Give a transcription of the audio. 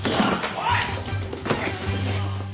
おい！